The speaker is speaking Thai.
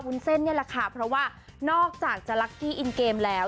เส้นนี่แหละค่ะเพราะว่านอกจากจะลักกี้อินเกมแล้ว